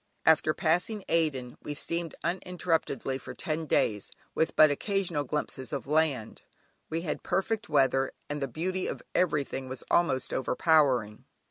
After passing Aden we steamed uninterruptedly for ten days with but occasional glimpses of land; we had perfect weather, and the beauty of everything was almost overpowering.